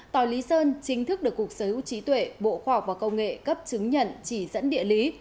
tỏi lý sơn chính thức được cục sở hữu trí tuệ bộ khoa học và công nghệ cấp chứng nhận chỉ dẫn địa lý